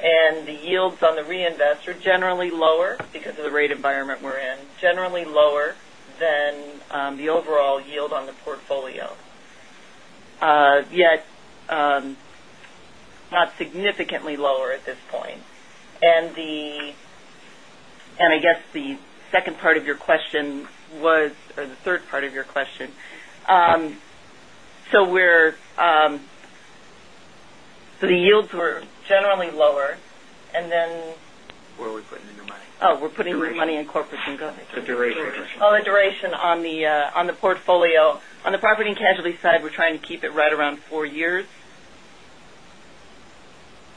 The yields on the reinvest are generally lower because of the rate environment we're in. Generally lower than the overall yield on the portfolio. Yet not significantly lower at this point. I guess the second part of your question was, or the third part of your question. The yields were generally lower. Where are we putting the new money? We're putting the money in corporate. The duration. The duration on the portfolio. On the property and casualty side, we're trying to keep it right around four years.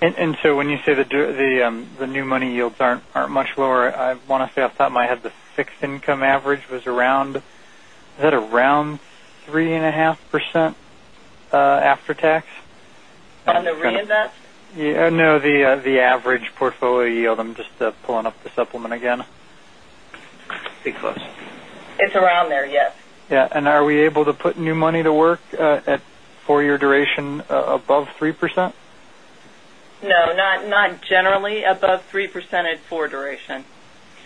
When you say the new money yields aren't much lower, I want to say off the top of my head, the fixed income average was around 3.5% after tax? On the reinvest? No, the average portfolio yield. I'm just pulling up the supplement again. Pretty close. It's around there, yes. Yeah. Are we able to put new money to work at four-year duration above 3%? No, not generally above 3% at four duration.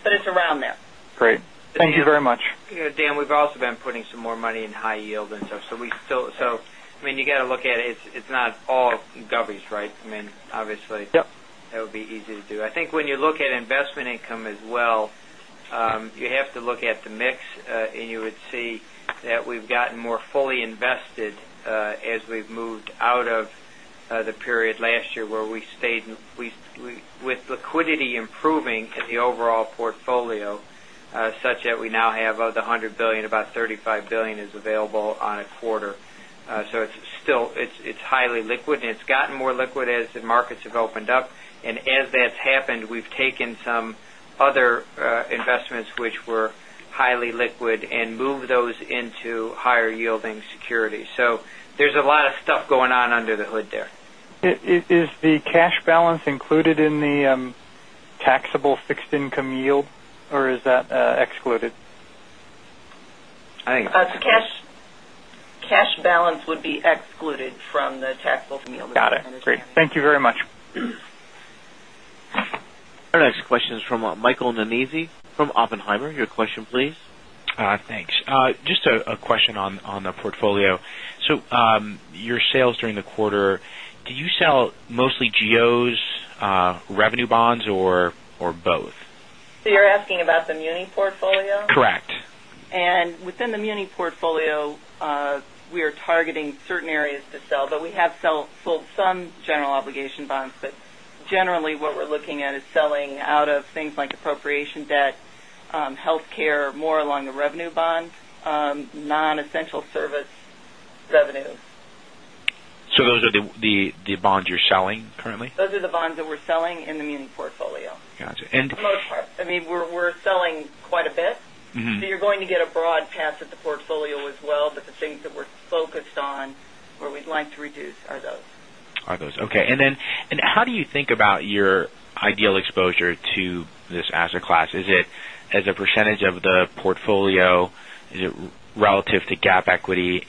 It's around there. Great. Thank you very much. Dan, we've also been putting some more money in high yield and stuff. You got to look at it. It's not all govies, right? Obviously. Yep. That would be easy to do. I think when you look at investment income as well, you have to look at the mix, and you would see that we've gotten more fully invested as we've moved out of the period last year, where with liquidity improving in the overall portfolio, such that we now have of the $100 billion, about $35 billion is available on a quarter. It's highly liquid, and it's gotten more liquid as the markets have opened up. As that's happened, we've taken some other investments which were highly liquid and moved those into higher yielding securities. There's a lot of stuff going on under the hood there. Is the cash balance included in the taxable fixed income yield, or is that excluded? I think- The cash balance would be excluded from the taxable yield. Got it. Great. Thank you very much. Our next question is from Michael Nannizzi from Oppenheimer. Your question, please. Thanks. Just a question on the portfolio. Your sales during the quarter, do you sell mostly GOs revenue bonds or both? You're asking about the muni portfolio? Correct. Within the muni portfolio, we are targeting certain areas to sell, we have sold some general obligation bonds. Generally, what we're looking at is selling out of things like appropriation-backed obligations, healthcare, more along the revenue bonds, non-essential service revenue. Those are the bonds you're selling currently? Those are the bonds that we're selling in the muni portfolio. Got you. For the most part. We're selling quite a bit. You're going to get a broad cast of the portfolio as well. The things that we're focused on, where we'd like to reduce are those. Are those, okay. How do you think about your ideal exposure to this asset class? Is it as a percentage of the portfolio? Is it relative to GAAP equity?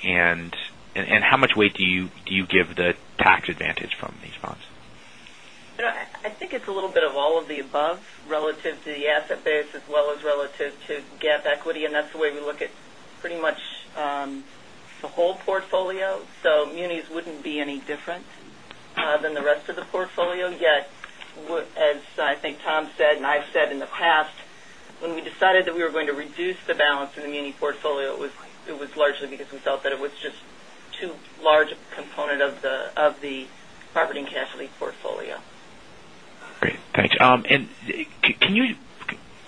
How much weight do you give the tax advantage from these bonds? I think it's a little bit of all of the above relative to the asset base as well as relative to GAAP equity, that's the way we look at pretty much the whole portfolio. Munis wouldn't be any different than the rest of the portfolio, yet as I think Tom said, and I've said in the past, when we decided that we were going to reduce the balance in the muni portfolio, it was largely because we felt that it was just too large a component of the property and casualty portfolio. Great, thanks. Can you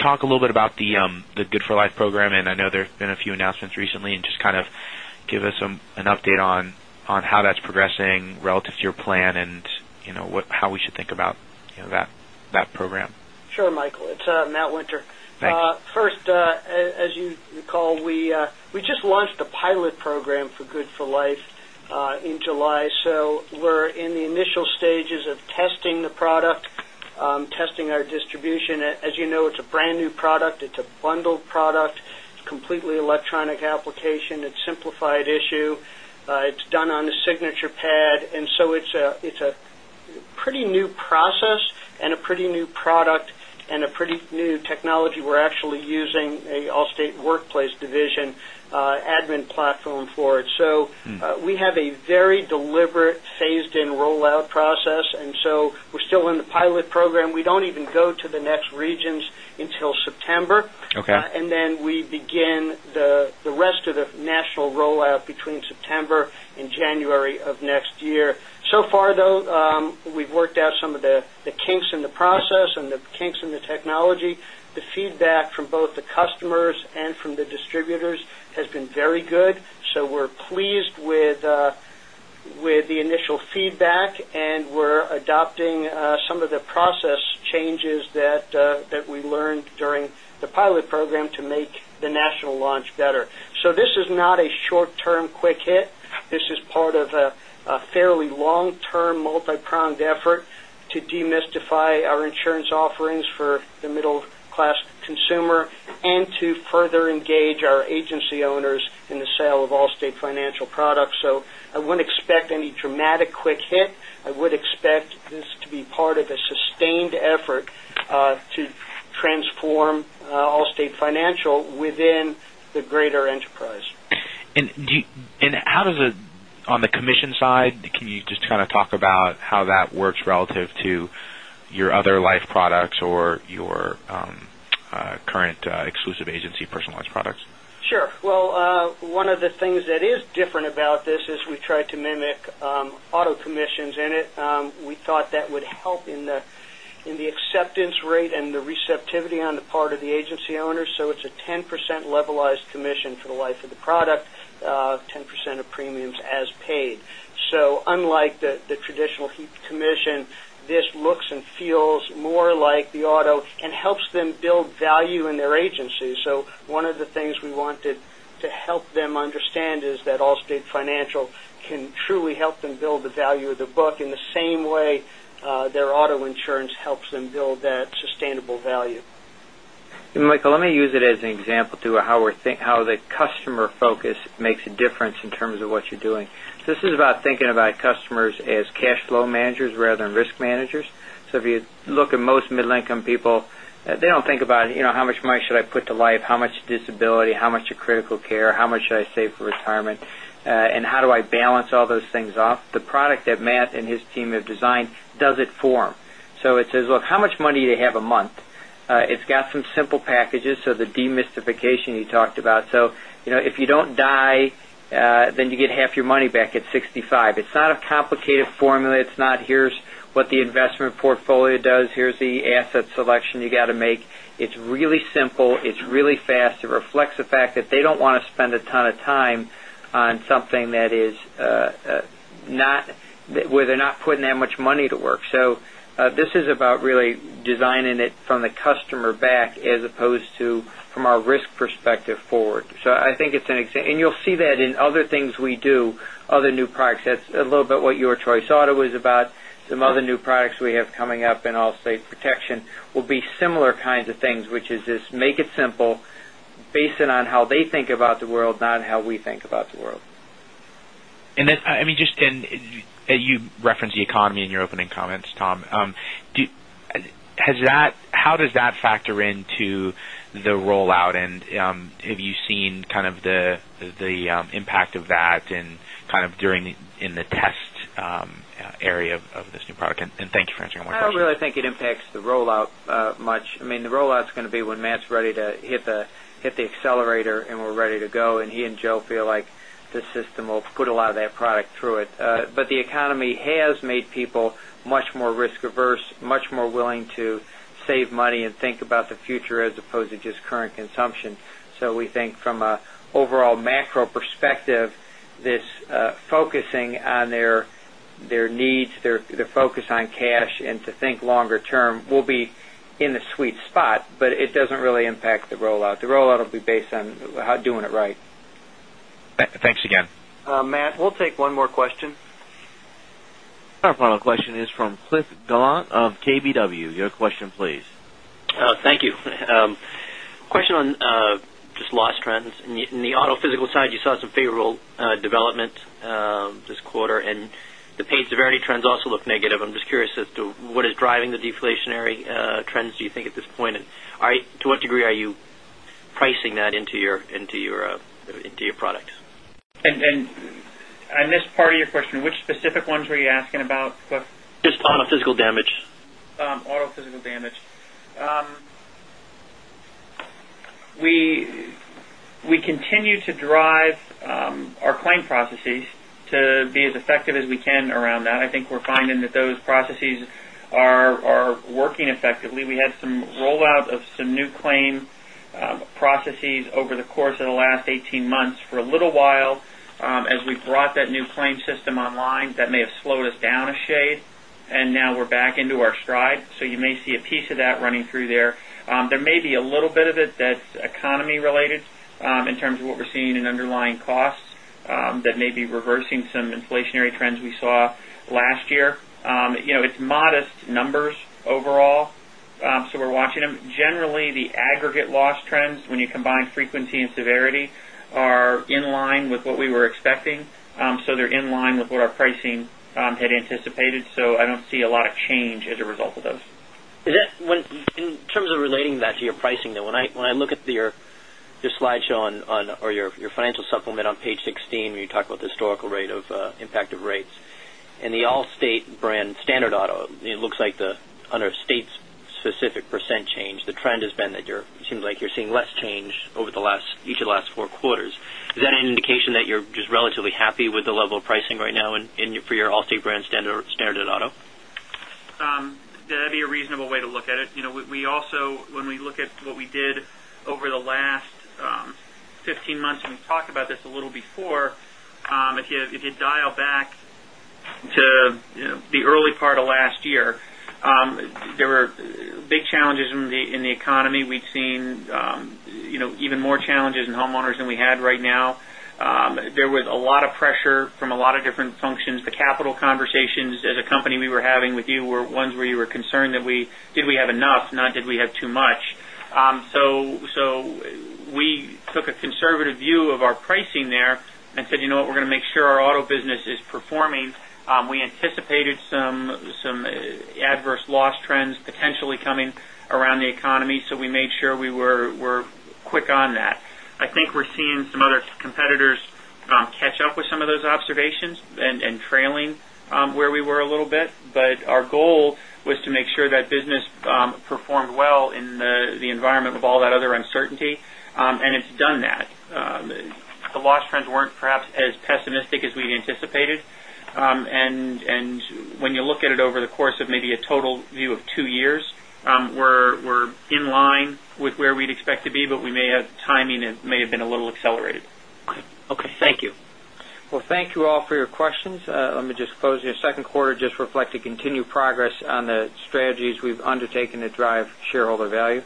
talk a little bit about the GoodForLife program? I know there's been a few announcements recently, just kind of give us an update on how that's progressing relative to your plan and how we should think about that program. Sure, Michael. It's Matt Winter. Thanks. First, as you recall, we just launched the pilot program for GoodForLife in July. We're in the initial stages of testing the product, testing our distribution. As you know, it's a brand new product. It's a bundled product. It's completely electronic application. It's simplified issue. It's done on a signature pad. It's a pretty new process and a pretty new product and a pretty new technology. We're actually using an Allstate worksite division admin platform for it. We have a very deliberate phased in rollout process. We're still in the pilot program. We don't even go to the next regions until September. Okay. Then we begin the rest of the national rollout between September and January of next year. Far, though, we've worked out some of the kinks in the process and the kinks in the technology. The feedback from both the customers and from the distributors has been very good. We're pleased with the initial feedback. We're adopting some of the process changes that we learned during the pilot program to make the national launch better. This is not a short-term quick hit. This is part of a fairly long-term, multi-pronged effort to demystify our insurance offerings for the middle-class consumer and to further engage our agency owners in the sale of Allstate Financial products. I wouldn't expect any dramatic quick hit. I would expect this to be part of a sustained effort to transform Allstate Financial within the greater enterprise. On the commission side, can you just kind of talk about how that works relative to your other life products or your current exclusive agency personalized products? Well, one of the things that is different about this is we tried to mimic auto commissions in it. We thought that would help in the acceptance rate and the receptivity on the part of the agency owners. It's a 10% levelized commission for the life of the product, 10% of premiums as paid. Unlike the traditional heap commission, this looks and feels more like the auto and helps them build value in their agency. One of the things we wanted to help them understand is that Allstate Financial can truly help them build the value of the book in the same way their auto insurance helps them build that sustainable value. Michael, let me use it as an example too, how the customer focus makes a difference in terms of what you're doing. This is about thinking about customers as cash flow managers rather than risk managers. If you look at most middle income people, they don't think about how much money should I put to life, how much disability, how much to critical care, how much should I save for retirement, and how do I balance all those things off? The product that Matt and his team have designed does it for them. It says, look, how much money do you have a month? It's got some simple packages, the demystification you talked about. If you don't die, then you get half your money back at 65. It's not a complicated formula. It's not, here's what the investment portfolio does, here's the asset selection you got to make. It's really simple. It's really fast. It reflects the fact that they don't want to spend a ton of time on something where they're not putting that much money to work. This is about really designing it from the customer back, as opposed to from our risk perspective forward. You'll see that in other things we do, other new products. That's a little bit what Your Choice Auto is about. Some other new products we have coming up in Allstate Protection will be similar kinds of things, which is just make it simple based in on how they think about the world, not how we think about the world. You referenced the economy in your opening comments, Tom. How does that factor into the rollout, and have you seen the impact of that in the test area of this new product? Thank you for answering my question. I don't really think it impacts the rollout much. The rollout's going to be when Matt's ready to hit the accelerator, and we're ready to go, and he and Joe feel like the system will put a lot of that product through it. The economy has made people much more risk averse, much more willing to save money and think about the future as opposed to just current consumption. We think from an overall macro perspective, this focusing on their needs, their focus on cash, and to think longer term will be in the sweet spot, but it doesn't really impact the rollout. The rollout will be based on doing it right. Thanks again. Matt, we'll take one more question. Our final question is from Cliff Gallant of KBW. Your question please. Thank you. Question on just loss trends. In the auto physical side, you saw some favorable development this quarter, and the paid severity trends also look negative. I'm just curious as to what is driving the deflationary trends do you think at this point, and to what degree are you pricing that into your products? I missed part of your question. Which specific ones were you asking about, Cliff? Just auto physical damage. Auto physical damage. We continue to drive our claim processes to be as effective as we can around that. I think we're finding that those processes are working effectively. We had some rollout of some new claim processes over the course of the last 18 months. For a little while, as we brought that new claim system online, that may have slowed us down a shade, and now we're back into our stride. You may see a piece of that running through there. There may be a little bit of it that's economy related in terms of what we're seeing in underlying costs that may be reversing some inflationary trends we saw last year. It's modest numbers overall, we're watching them. Generally, the aggregate loss trends, when you combine frequency and severity, are in line with what we were expecting. They're in line with what our pricing had anticipated. I don't see a lot of change as a result of those. In terms of relating that to your pricing, though, when I look at your financial supplement on page 16, where you talk about the historical rate of impact of rates. In the Allstate brand standard auto, it looks like on Allstate's specific % change, the trend has been that it seems like you're seeing less change over each of the last four quarters. Is that an indication that you're just relatively happy with the level of pricing right now for your Allstate brand standard auto? That'd be a reasonable way to look at it. When we look at what we did over the last 15 months, we've talked about this a little before, if you dial back to the early part of last year, there were big challenges in the economy. We'd seen even more challenges in homeowners than we had right now. There was a lot of pressure from a lot of different functions. The capital conversations as a company we were having with you were ones where you were concerned did we have enough, not did we have too much. We took a conservative view of our pricing there and said, "You know what? We're going to make sure our auto business is performing." We anticipated some adverse loss trends potentially coming around the economy, we made sure we were quick on that. I think we're seeing some other competitors catch up with some of those observations and trailing where we were a little bit. Our goal was to make sure that business performed well in the environment with all that other uncertainty, and it's done that. The loss trends weren't perhaps as pessimistic as we'd anticipated, and when you look at it over the course of maybe a total view of two years, we're in line with where we'd expect to be, but timing may have been a little accelerated. Okay. Thank you. Well, thank you all for your questions. Let me just close here. Second quarter just reflected continued progress on the strategies we've undertaken to drive shareholder value.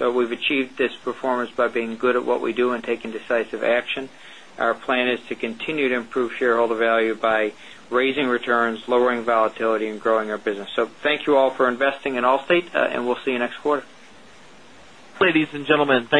We've achieved this performance by being good at what we do and taking decisive action. Our plan is to continue to improve shareholder value by raising returns, lowering volatility, and growing our business. Thank you all for investing in Allstate, and we'll see you next quarter. Ladies and gentlemen